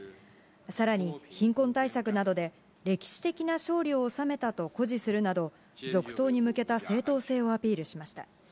さらに、貧困対策などで、歴史的な勝利を収めたと誇示するなど、続投に向けた正当性をアピールしました。